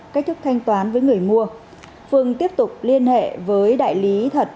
cách thức thanh toán với người mua phương tiếp tục liên hệ với đại lý thật